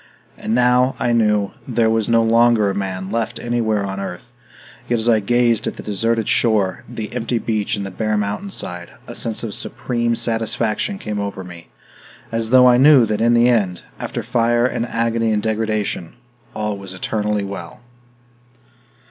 And now, I knew, there was no longer a man left anywhere on earth; yet as I gazed at the deserted shore, the empty beach and the bare mountainside, a sense of supreme satisfaction came over me, as though I knew that in the end, after fire and agony and degradation, all was eternally well.